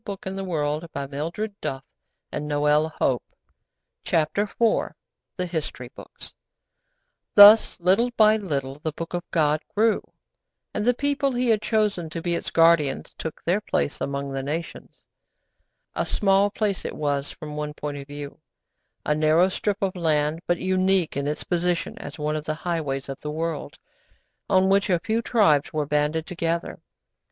CHAPTER IV THE HISTORY BOOKS [Illustration: (drop cap T) Assyrian idol god] Thus little by little the Book of God grew, and the people He had chosen to be its guardians took their place among the nations. A small place it was from one point of view! A narrow strip of land, but unique in its position as one of the highways of the world, on which a few tribes were banded together.